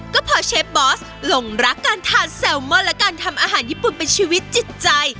ก็พอเชฟบอสหลงรักการทานแซลมอนและการทำอาหารญี่ปุ่นเป็นชีวิตจิตใจ